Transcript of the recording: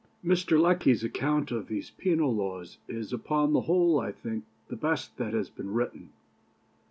" Mr. Lecky's account of these "penal laws" is upon the whole, I think, the best that has been written.